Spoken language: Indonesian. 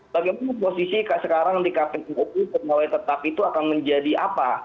bagaimana posisi sekarang di kpu pegawai tetap itu akan menjadi apa